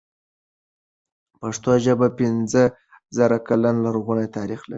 پښتو ژبه پنځه زره کلن لرغونی تاريخ لري.